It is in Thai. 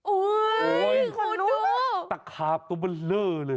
อุ้ยคุณดูตักขาบตัวเบลอเลย